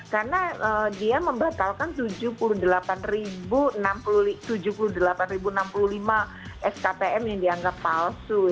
karena dia membatalkan tujuh puluh delapan enam puluh lima sktm yang dianggap palsu